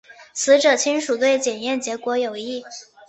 死者亲属对检验结果有异。